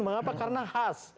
mengapa karena khas